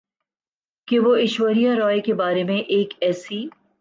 کہ وہ ایشوریا رائے کے بارے میں ایک ایسی